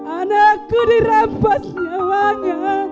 anakku dirampas nyawanya